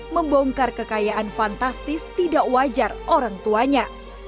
membongkar kekayaan fantastis tidak wajar orang tuanya